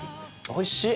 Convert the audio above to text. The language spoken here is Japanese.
おいしい！